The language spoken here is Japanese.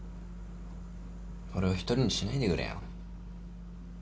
俺を一人にしないでくれよ。